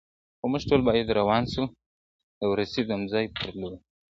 • خو موږ ټول باید روان سو د وروستي تم ځای پر لوري -